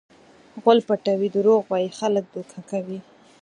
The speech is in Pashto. غول پټوي؛ دروغ وایي؛ خلک دوکه کوي.